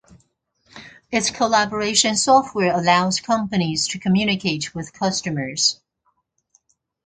Its collaboration software allows companies to communicate with customers.